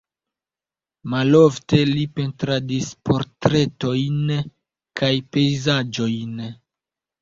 Malofte li pentradis portretojn kaj pejzaĝojn.